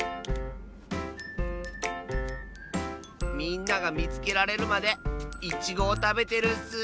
みんながみつけられるまでイチゴをたべてるッス！